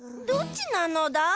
どっちなのだ？